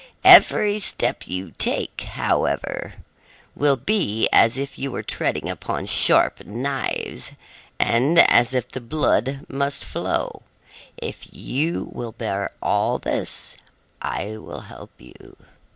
Every step you take, however, will be as if you were treading upon sharp knives and as if the blood must flow. If you will bear all this, I will help you."